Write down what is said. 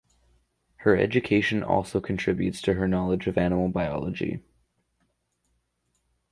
Her education also contributes to her knowledge of animal biology.